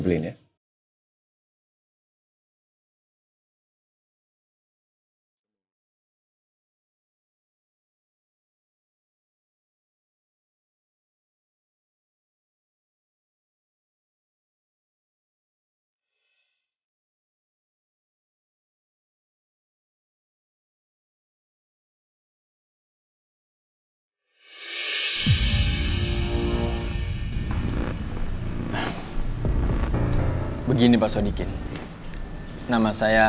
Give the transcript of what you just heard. untuk memberikan kesaksian